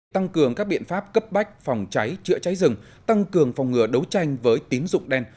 tăng cường các biện pháp cấp bách phòng cháy chữa cháy rừng tăng cường phòng ngừa đấu tranh với tín dụng đen